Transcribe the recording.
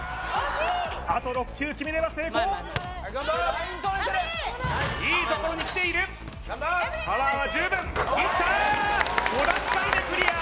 あと６球決めれば成功いいところにきているパワーは十分いったー